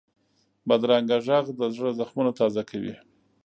بدرنګه غږ د زړه زخمونه تازه کوي